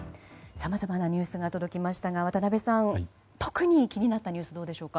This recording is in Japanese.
さまざまなニュースが届きましたが渡辺さん特に気になったニュースどうでしょうか？